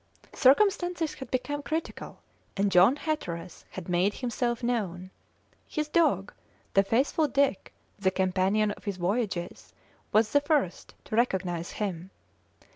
Circumstances had become critical, and John Hatteras had made himself known. His dog, the faithful Dick, the companion of his voyages, was the first to recognise him.